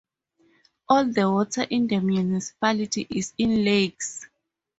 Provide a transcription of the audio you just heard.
All the water in the municipality is in lakes.